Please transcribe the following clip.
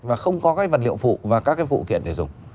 và không có các vật liệu phụ và các cái phụ kiện để dùng